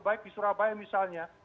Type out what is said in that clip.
baik di surabaya misalnya